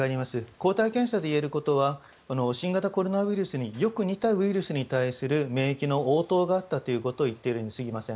抗体検査でいえることは新型コロナウイルスによく似たウイルスに対する免疫の応答があったということを言っているにすぎません。